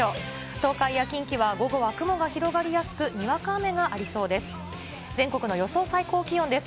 東海や近畿は午後は雲が広がりやすくにわか雨がありそうです。